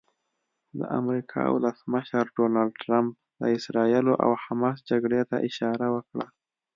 د امریکا ولسمشر ډونالډ ټرمپ د اسراییل او حماس جګړې ته اشاره وکړه.